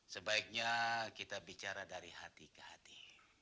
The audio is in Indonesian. sebaiknya kita bicara dari hati ke hati